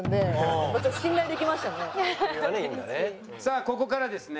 さあここからですね